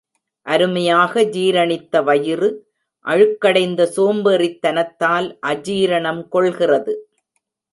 அருமையாக ஜீரணித்த வயிறு, அழுக்கடைந்த சோம்பேறித்தனத்தால், அஜீரணம் கொள்கிறது.